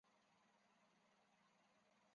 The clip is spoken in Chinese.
但当时并没发现死亡的鸟类。